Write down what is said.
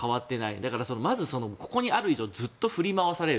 だから、まずここにある以上ずっと振り回される。